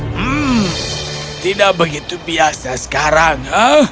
hmm tidak begitu biasa sekarang